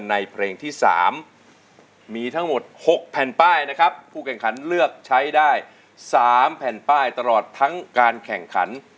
ในเพลงที่๓มีทั้งหมด๖แผ่นป้ายนะครับผู้แข่งขันเลือกใช้ได้๓แผ่นป้ายตลอดทั้งการแข่งขัน